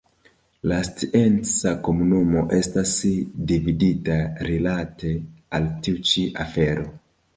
La scienca komunumo estas dividita rilate al tiu ĉi afero.